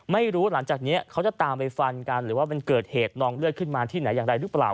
หลังจากนี้เขาจะตามไปฟันกันหรือว่ามันเกิดเหตุนองเลือดขึ้นมาที่ไหนอย่างไรหรือเปล่า